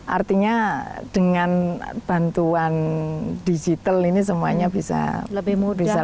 artinya dengan bantuan digital ini semuanya bisa lebih mudah